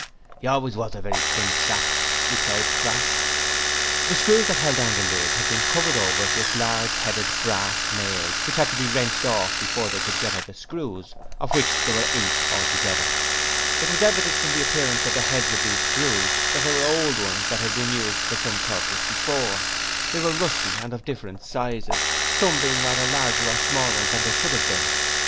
''E always was a very thin chap,' replied Crass. The screws that held down the lid had been covered over with large headed brass nails which had to be wrenched off before they could get at the screws, of which there were eight altogether. It was evident from the appearance of the beads of these screws that they were old ones that had been used for some purpose before: they were rusty and of different sizes, some being rather larger or smaller, than they should have been.